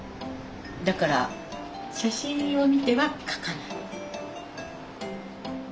だから写真を見ては描かない。